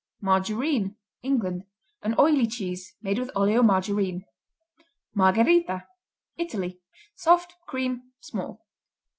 Margarine England An oily cheese made with oleomargarine. Margherita Italy Soft; cream; small.